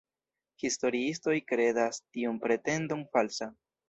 Historiistoj kredas tiun pretendon falsa.